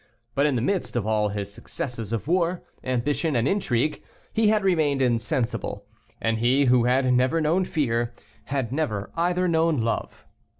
But in the midst of all his successes of war, ambition, and intrigue, he had remained insensible; and he who had never known fear, had never either known love.